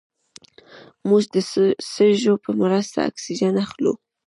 موږ د سږو په مرسته اکسیجن اخلو